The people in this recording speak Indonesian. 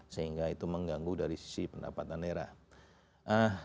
sehingga itu mengganggu dari sisi pendapatan daerah